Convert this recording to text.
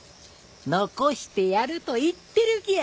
・残してやると言ってるぎゃ。